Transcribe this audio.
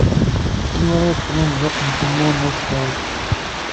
Anwa ara yeṭṭfen amḍiq n Ḥemmu n At Sɛid?